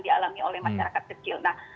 dialami oleh masyarakat kecil nah